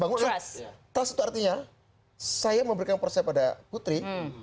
kalau saya kalau saya itu artinya saya memberikan percaya pada putri